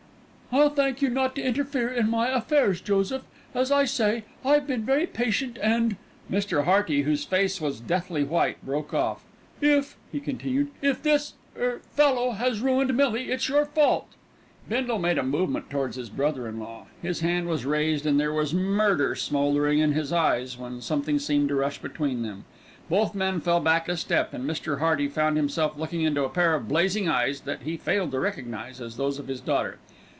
"I'll thank you not to interfere in my affairs, Joseph. As I say, I've been very patient and, and " Mr. Hearty, whose face was deathly white, broke off. "If," he continued, "if this er fellow has ruined Millie, it's your fault." Bindle made a movement towards his brother in law; his hand was raised and there was murder smouldering in his eyes, when something seemed to rush between them. Both men fell back a step and Mr. Hearty found himself looking into a pair of blazing eyes that he failed to recognise as those of his daughter.